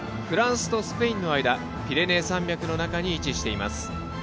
フランスとスペインの間ピレネー山脈の中に位置しています。